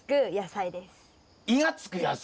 「イ」がつく野菜？